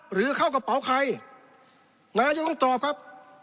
หรือเข้ากระเป๋าใครนายกต้องตอบครับ